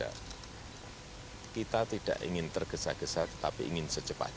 ya kita tidak ingin tergesa gesa tetapi ingin secepatnya